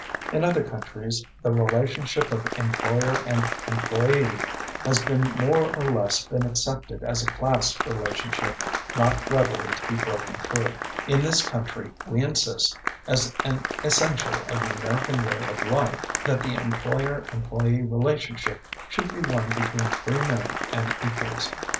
In other countries the relationship of employer and employee has been more or less been accepted as a class relationship not readily to be broken through. In this country we insist, as an essential of the American way of life, that the employer employee relationship should be one between free men and equals.